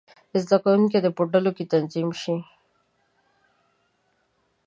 زده کوونکي دې په ډلو کې تنظیم شي.